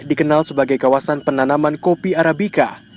dikenal sebagai kawasan penanaman kopi arabica